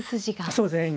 そうですね。